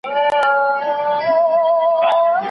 مهرباني وکړئ د خپلي مقالي لپاره تجربه کار استاد وټاکئ.